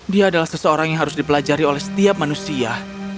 dia adalah seseorang yang harus dipelajari oleh setiap manusia